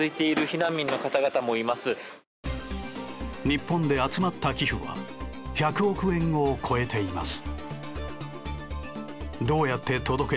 日本で集まった寄付は１００億円を超えています。